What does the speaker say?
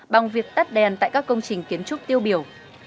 bằng việc tắt đèn tại các công trình kiến trúc tiêu biểu